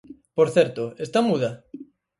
Por certo, ¿está muda?